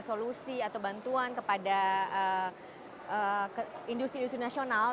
solusi atau bantuan kepada industri industri nasional